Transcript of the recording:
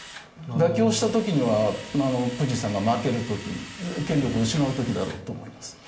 妥協した時はプーチンさんが負ける時権力を失う時だろうと思います。